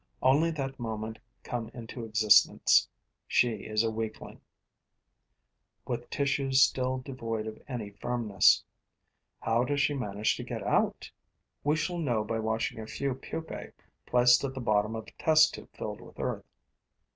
Only that moment come into existence, she is a weakling, with tissues still devoid of any firmness. How does she manage to get out? We shall know by watching a few pupae placed at the bottom of a test tube filled with earth.